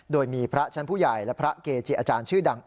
โดยมีพระชั้นผู้ใหญ่และพระเกจิอาจารย์ชื่อดัง